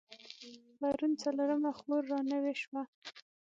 پرون څلرمه خور رانوې شوه.